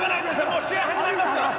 もう試合始まりますから。